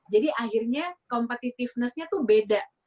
jadi akhirnya competitiveness nya tuh beda